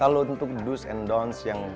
kalau untuk do's and don'ts yang